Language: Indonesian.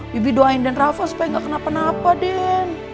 bibi doain dan rafa supaya gak kenapa napa den